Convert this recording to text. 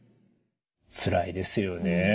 つらいですよね。